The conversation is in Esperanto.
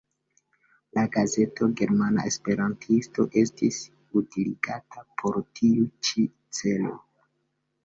La gazeto "Germana Esperantisto" estis utiligata por tiu ĉi celo.